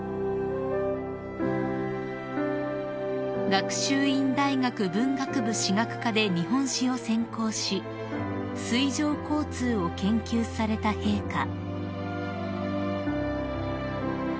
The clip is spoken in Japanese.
［学習院大学文学部史学科で日本史を専攻し水上交通を研究された陛下］